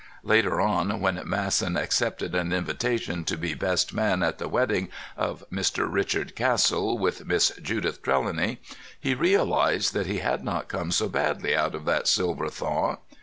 Later on, when Masson accepted an invitation to be best man at the wedding of Mr. Richard Castle with Miss Judith Trelawney, he realised that he had not come so badly out of that silver thaw.